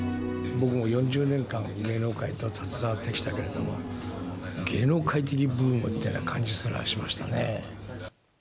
僕も４０年間、芸能界に携わってきたけれども、芸能界的ブームてな感じすらしましたね。